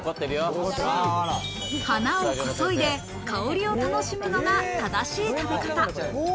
花をこそいで香りを楽しむのが正しい食べ方。